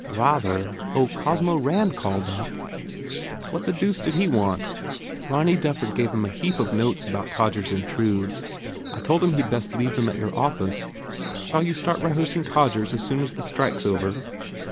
"Ra ther! Oh, Cosmo Rand called up." "What the deuce did he want?" "Ronny Dufford gave him a heap of notes about Todgers Intrudes. I told him he d best leave them at your office. Shall you start re hearsing Todgers as soon as the strike s over?"